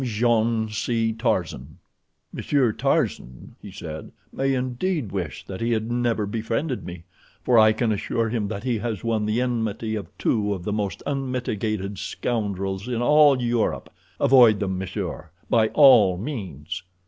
JEAN C. TARZAN "Monsieur Tarzan," he said, "may indeed wish that he had never befriended me, for I can assure him that he has won the enmity of two of the most unmitigated scoundrels in all Europe. Avoid them, monsieur, by all means."